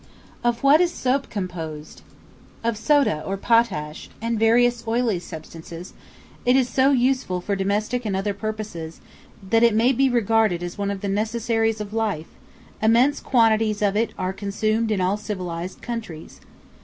Of what is Soap composed? Of soda or potash, and various oily substances; it is so useful for domestic and other purposes, that it may be regarded as one of the necessaries of life; immense quantities of it are consumed in all civilized countries.